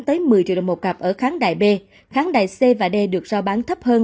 tới một mươi triệu đồng một cặp ở kháng đại b kháng đại c và d được giao bán thấp hơn